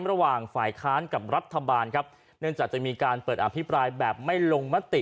ระหว่างฝ่ายค้านกับรัฐบาลครับเนื่องจากจะมีการเปิดอภิปรายแบบไม่ลงมติ